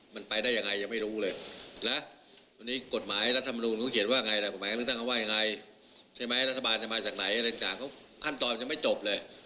มันต้องดูกฎหมายทำเข้าใจกับกฎหมายให้ดีนะครับ